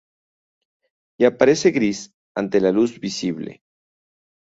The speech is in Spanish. Y aparece gris ante la luz visible.